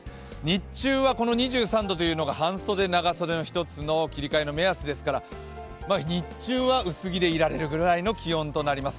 日中はこの２３度というのが半袖、長袖の切り替えの一つですから日中は薄着でいられるぐらいの気温となります